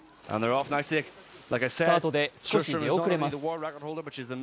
スタートで少し出遅れます。